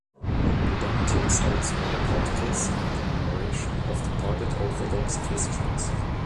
He then takes out smaller particles in commemoration of departed Orthodox Christians.